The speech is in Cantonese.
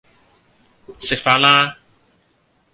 食飯啦